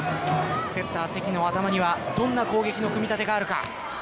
セッター関の頭にはどんな攻撃の組み立てがあるか。